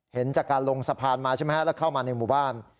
เห็นจากการลงสะพานมาและเข้ามาในหมู่บ้าน